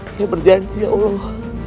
saya berjanji ya allah